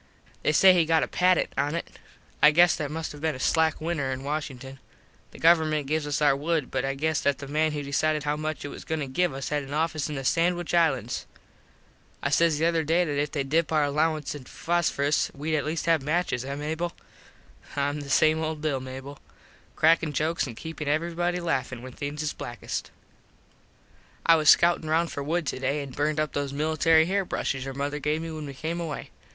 They say he got a patent on it. I guess that must have been a slack winter in Washington. The government gives us our wood but I guess that the man who decided how much it was goin to give us had an office in the Sandwitch Islands. I says the other day that if theyd dip our allowance in fusfrus wed at least have matches, eh Mable? Im the same old Bill, Mable. Crackin jokes an keepin everybody laffin when things is blackest. [Illustration: "BUILT LIKE THE LEG OF A SAILURS TROWSERS"] I was scoutin round for wood today an burned up those military hair brushes your mother gave me when we came away.